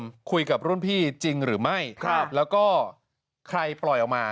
คุยกับรุ่นพี่จริงหรือไม่ครับแล้วก็ใครปล่อยออกมา